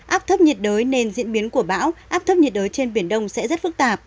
áp thấp nhiệt đới nên diễn biến của bão áp thấp nhiệt đới trên biển đông sẽ rất phức tạp